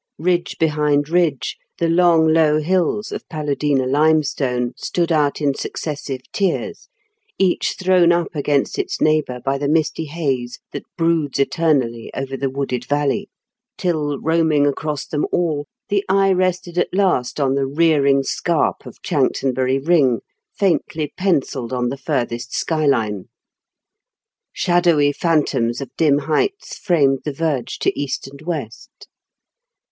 Ridge behind ridge, the long, low hills of paludina limestone stood out in successive tiers, each thrown up against its neighbour by the misty haze that broods eternally over the wooded valley; till, roaming across them all, the eye rested at last on the rearing scarp of Chanctonbury Ring, faintly pencilled on the furthest skyline. Shadowy phantoms of dim heights framed the verge to east and west.